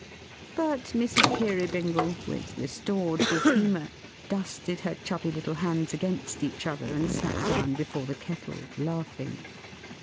But Mrs. Peerybingle, with restored good humour, dusted her chubby little hands against each other, and sat down before the Kettle: laughing.